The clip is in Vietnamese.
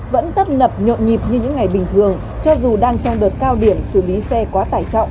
vẫn tấp nập nhộn nhịp như những ngày bình thường cho dù đang trong đợt cao điểm xử lý xe quá tải trọng